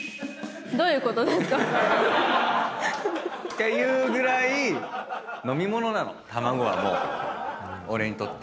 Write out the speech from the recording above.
ていうぐらい飲み物なの卵はもう俺にとって。